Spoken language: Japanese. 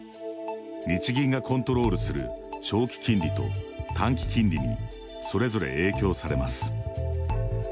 日銀がコントロールする「長期金利」と「短期金利」にそれぞれ影響されます。